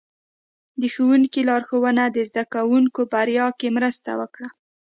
د ښوونکي لارښوونه د زده کوونکو بریا کې مرسته وکړه.